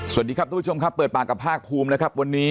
สวัสดีครับทุกผู้ชมครับเปิดปากกับภาคภูมินะครับวันนี้